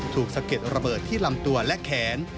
สะเก็ดระเบิดที่ลำตัวและแขน